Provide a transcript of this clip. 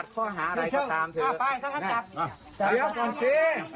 เดี๋ยวก่อนสิ